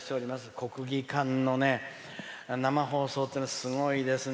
国技館の生放送っていうのはすごいですね。